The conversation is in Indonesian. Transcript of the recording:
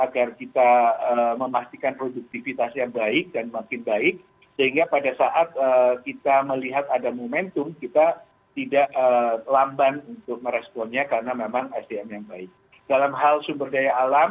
kasihan indonesia newsroom akan segera kembali